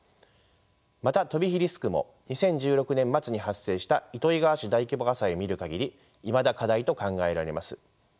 また飛び火リスクも２０１６年末に発生した糸魚川市大規模火災を見る限りいまだ課題と考えられます。